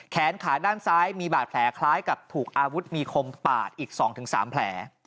แขนขาด้านซ้ายมีบาดแผลคล้ายกับถูกอาวุธมีคมปาดอีก๒๓แผล